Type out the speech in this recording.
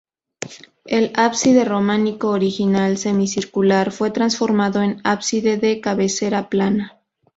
El ábside románico original -semicircular-, fue transformado en ábside de cabecera plana.